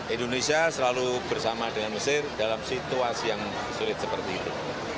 indonesia selalu bersama dengan mesir dalam situasi yang sulit seperti itu